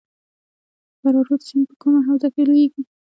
فرا رود سیند په کومه حوزه کې لویږي؟